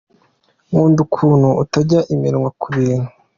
Nkunda ukuntu utarya iminwa ku bintu.